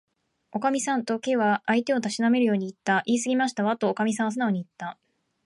「おかみさん」と、Ｋ は相手をたしなめるようにいった。「いいすぎましたわ」と、おかみはすなおにいった。